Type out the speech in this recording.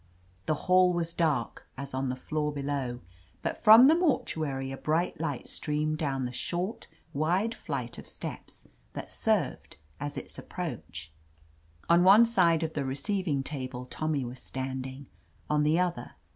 The hall was dark, as on the floor below, but from the mortuary a bright light streamed down the short, wide flight of steps that served as its approach. On one side of the receiving table Tommy was standing. On the other.